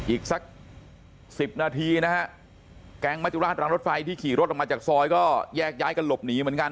อีกสักสิบนาทีนะฮะแก๊งมจุราชรังรถไฟที่ขี่รถออกมาจากซอยก็แยกย้ายกันหลบหนีเหมือนกัน